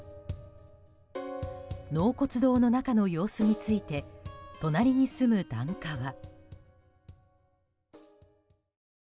納骨堂の中の様子について隣に住む檀家は。